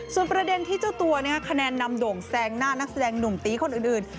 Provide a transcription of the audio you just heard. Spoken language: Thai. ส่วนประเด็นที่เจ้าตัวคะแนนนำโด่งแซงหน้านักแสดงหนุ่มตีคนอื่น